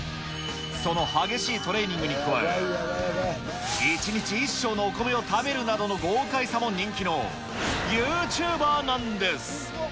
その激しいトレーニングに加え、１日１升のお米を食べるなどの豪快さも人気のユーチューバーなんです。